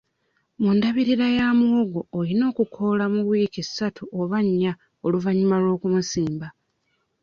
Mu ndabirira ya muwogo olina okukoola mu wiiki ssatu oba nnya oluvannyuma lw'okumusimba.